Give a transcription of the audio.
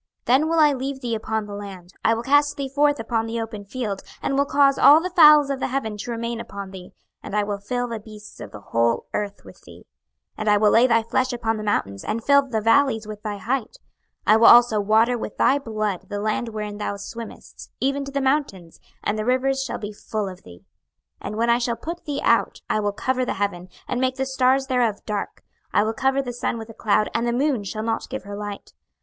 26:032:004 Then will I leave thee upon the land, I will cast thee forth upon the open field, and will cause all the fowls of the heaven to remain upon thee, and I will fill the beasts of the whole earth with thee. 26:032:005 And I will lay thy flesh upon the mountains, and fill the valleys with thy height. 26:032:006 I will also water with thy blood the land wherein thou swimmest, even to the mountains; and the rivers shall be full of thee. 26:032:007 And when I shall put thee out, I will cover the heaven, and make the stars thereof dark; I will cover the sun with a cloud, and the moon shall not give her light.